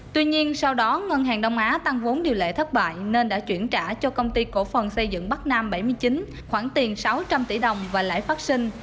tuy nhiên sau đó ngân hàng đông á tăng vốn điều lệ thất bại nên đã chuyển trả cho công ty cổ phần xây dựng bắc nam bảy mươi chín khoảng tiền sáu trăm linh tỷ đồng và lãi phát sinh